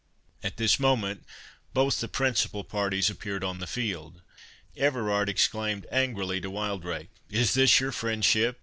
At this moment both the principal parties appeared on the field. Everard exclaimed angrily to Wildrake, "Is this your friendship?